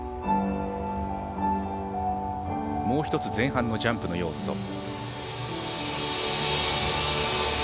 もう１つ、前半のジャンプの要素。